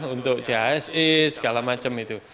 untuk jis e segala macam itu